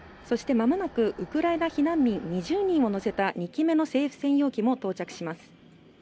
そしてまもなくウクライナ避難民２０人を乗せた２機目の政府専用機も到着します